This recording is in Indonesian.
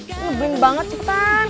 ini ngebleng banget cepetan